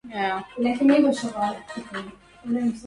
فقد البصر أهون من فقد البصيرة.